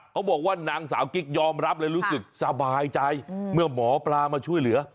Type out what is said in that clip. เขาบอกว่านางสาวกิ๊กยอมรับเลยรู้สึกสบายใจเมื่อหมอปลามาช่วยเหลือ